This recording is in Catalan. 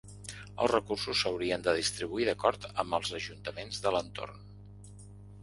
Els recursos s’haurien de distribuir d’acord amb els ajuntaments de l’entorn.